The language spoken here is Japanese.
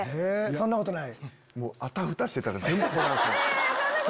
そんなことない！